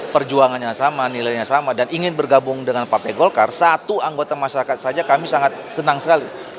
perjuangannya sama nilainya sama dan ingin bergabung dengan partai golkar satu anggota masyarakat saja kami sangat senang sekali